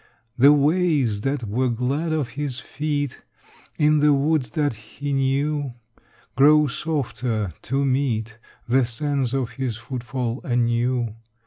The ways that were glad of his feet In the woods that he knew Grow softer to meet The sense of his footfall anew.